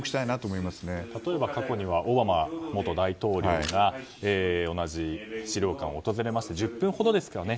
例えば、過去にはオバマ元大統領が同じ資料館を訪れまして１０分ほどですかね。